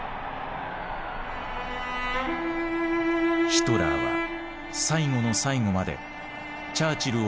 ヒトラーは最後の最後までチャーチルを意識し続けていた。